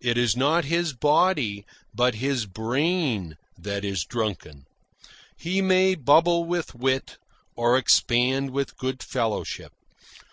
It is not his body but his brain that is drunken. He may bubble with wit, or expand with good fellowship.